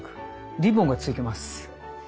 リボンがついてます。